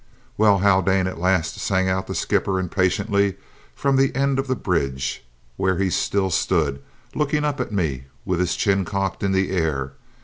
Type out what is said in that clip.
"Well, Haldane!" at last sang out the skipper impatiently from the end of the bridge, where he still stood, looking up at me with his chin cocked in the air.